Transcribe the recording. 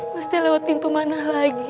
mesti lewat pintu mana lagi